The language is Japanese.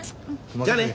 じゃあね。